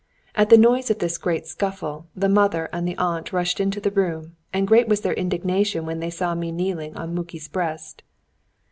At the noise of this great scuffle, the mother and the aunt rushed into the room, and great was their indignation when they saw me kneeling on Muki's breast.